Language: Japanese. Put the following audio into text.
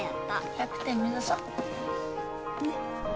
１００点目指そねっ